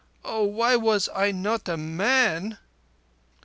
Oh, why was I not a man?